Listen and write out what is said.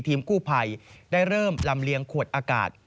ทีมกู้ภัยได้เริ่มลำเลียงขวดอากาศ